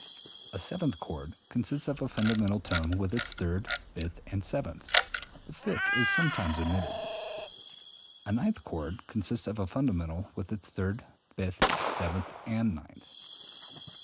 201. A seventh chord consists of a fundamental tone with its third, fifth, and seventh. The fifth is sometimes omitted. A ninth chord consists of a fundamental with its third, fifth, seventh, and ninth.